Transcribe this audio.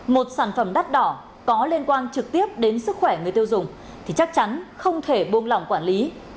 một sản phẩm đắt đỏ có liên quan trực tiếp đến sức khỏe người tiêu dùng thì chắc chắn không thể buông lỏng quản lý